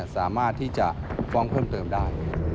สามารถที่จะฟ้องเพิ่มเติมได้